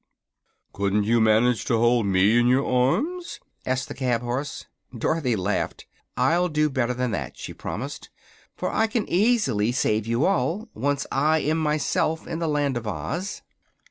"Couldn't you manage to hold me in your arms?" asked the cab horse. Dorothy laughed. "I'll do better than that," she promised, "for I can easily save you all, once I am myself in the Land of Oz."